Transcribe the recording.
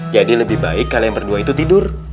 jadi lebih baik kalian berdua itu tidur